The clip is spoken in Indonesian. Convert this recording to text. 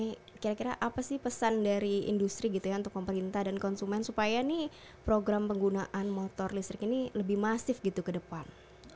ini kira kira apa sih pesan dari industri gitu ya untuk pemerintah dan konsumen supaya nih program penggunaan motor listrik ini lebih masif gitu ke depan